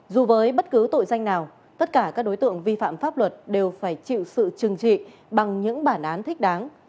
dù với bất cứ tội danh nào tất cả các đối tượng vi phạm pháp luật đều phải chịu sự trừng trị bằng những bản án thích đáng